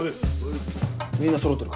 みんなそろってるか？